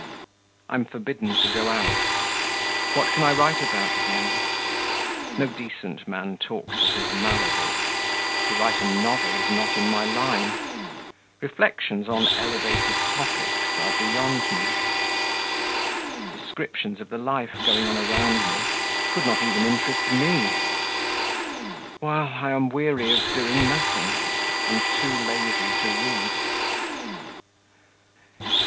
I'm forbidden to go out. What can I write about, then? No decent man talks of his maladies; to write a novel is not in my line; reflections on elevated topics are beyond me; descriptions of the life going on around me could not even interest me; while I am weary of doing nothing, and too lazy to read.